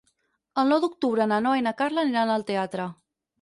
El nou d'octubre na Noa i na Carla aniran al teatre.